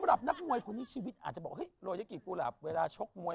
อันนี้หมอขอตัวได้มั้ย